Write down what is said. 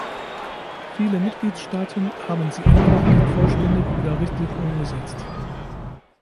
Viele Mitgliedstaaten haben sie immer noch nicht vollständig oder richtig umgesetzt.